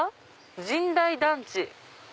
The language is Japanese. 「神代団地」。